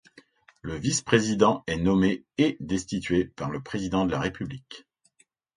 Le vice-président est nommé et destitué par le président de la République.